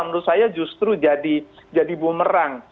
menurut saya justru jadi bumerang